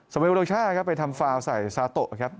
สมมติว่าโลกชาติครับไปทำฟาวน์ใส่ซาโต๊ะครับ